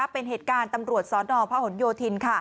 เป็นเหตุการณ์ตำรวจสนพหนโยธิน